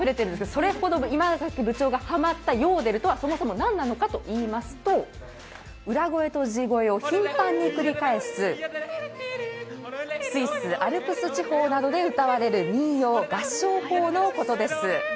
それほど稲垣部長がハマったヨーデルとはそもそも何なのかといいますと、裏声と地声を頻繁に繰り返すスイス・アルプス地方などで歌われる民謡・合唱法のことです。